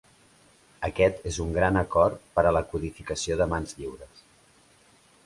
Aquest és un gran acord per a la codificació de mans lliures.